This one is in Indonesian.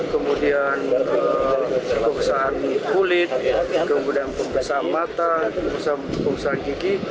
kemudian pemeriksaan kulit kemudian pemeriksaan mata pemeriksaan gigi